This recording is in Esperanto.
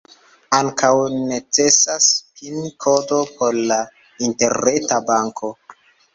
Ankaŭ necesas pin-kodo por la interreta banko.